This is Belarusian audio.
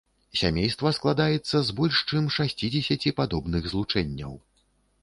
Сямейства складаецца з больш чым шасцідзесяці падобных злучэнняў.